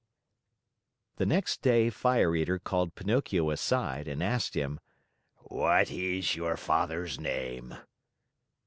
The next day Fire Eater called Pinocchio aside and asked him: "What is your father's name?"